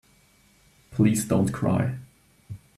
Please don't cry.